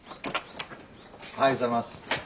おはようございます。